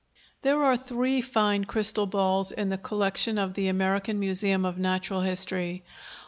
There are three fine crystal balls in the collection of the American Museum of Natural History.